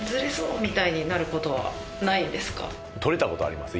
みたいになる事はないんですか？